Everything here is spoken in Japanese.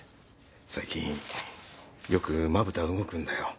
最近よくまぶた動くんだよ。